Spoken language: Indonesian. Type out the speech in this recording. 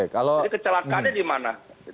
jadi kecelakaannya di mana